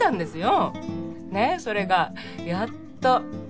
ねえそれがやっと。